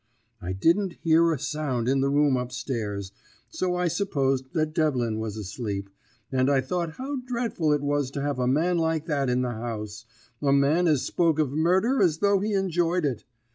I didn't hear a sound in the room up stairs, so I supposed that Devlin was asleep, and I thought how dreadful it was to have a man like that in the house, a man as spoke of murder as though he enjoyed it.